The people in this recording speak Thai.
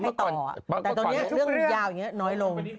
ต่อแต่ตอนนี้เรื่องยาวอย่างนี้น้อยลง